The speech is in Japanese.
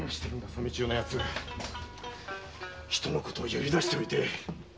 染千代のヤツ人を呼び出しておいて！